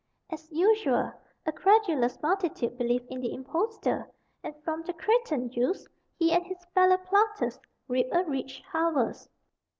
As usual, a credulous multitude believed in the impostor, and from the Cretan Jews he and his fellow plotters reaped a rich harvest.